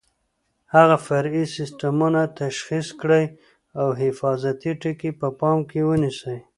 هغه فرعي سیسټمونه تشخیص کړئ او حفاظتي ټکي په پام کې ونیسئ.